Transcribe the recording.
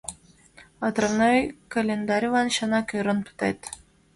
Отрывной календарьлан, чынак, ӧрын пытет.